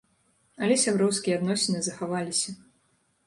Але сяброўскія адносіны захаваліся.